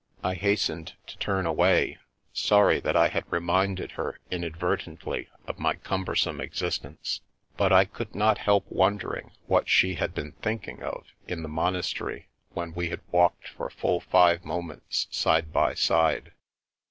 I hastened to turn away, sorry that I had reminded her inadvertently of my cumbersome existence ; but I could not help wondering what she had been think ing of in the monastery when we had walked for full five moments side by side.